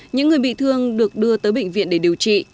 những người bị thương được đưa tới bệnh viện để điều trị